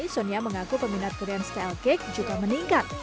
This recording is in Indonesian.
sonia mengaku peminat durian style cake juga meningkat